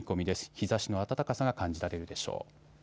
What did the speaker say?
日ざしの暖かさが感じられるでしょう。